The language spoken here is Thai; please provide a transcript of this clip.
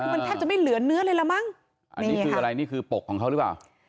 คือมันแทบจะไม่เหลือเนื้อเลยละมั้งอันนี้คืออะไรนี่คือปกของเขาหรือเปล่า